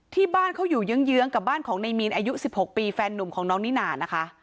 ที่บ้านเขาอยู่เยื้องกับบ้านของนายมีนอายุ๑๖ปีแฟนหนุ่มของน้องนิน่านะคะ